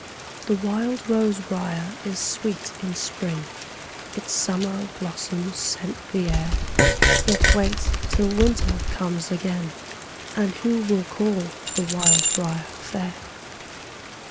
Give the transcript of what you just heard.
The wild rose briar is sweet in spring, Its summer blossoms scent the air; Yet wait till winter comes again, And who will call the wild briar fair?